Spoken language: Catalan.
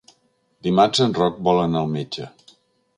Dimarts en Roc vol anar al metge.